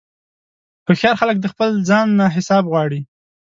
هوښیار خلک د خپل ځان نه حساب غواړي.